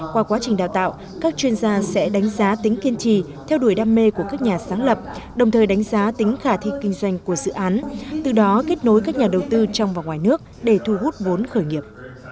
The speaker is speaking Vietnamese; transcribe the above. qua quá trình đào tạo các chuyên gia sẽ đánh giá tính kiên trì theo đuổi đam mê của các nhà sáng lập đồng thời đánh giá tính khả thi kinh doanh của dự án từ đó kết nối các nhà đầu tư trong và ngoài nước để thu hút vốn khởi nghiệp